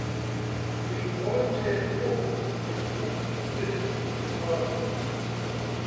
The Volunteer Force did not exist in Ireland.